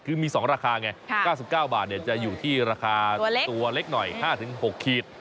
คือมี๒ราคาไง๙๙บาทจะอยู่ที่ราคาตัวเล็กหน่อย๕๖ขีด